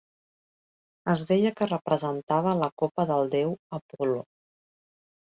Es deia que representava la copa del déu Apol·lo.